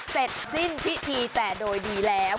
เสร็จสิ้นพิธีแต่โดยดีแล้ว